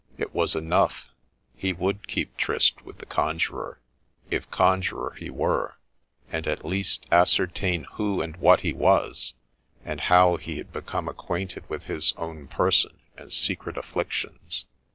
It was enough I He would keep tryst with the Conjurer, if conjurer he were ; and, at least, ascertain who and what he was, and how he had become acquainted with his own person and secret afflictions.